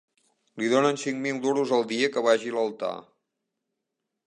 Li donen cinc mil duros el dia que vagi al altar